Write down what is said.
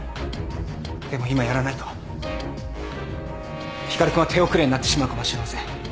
でも今やらないと光君は手遅れになってしまうかもしれません。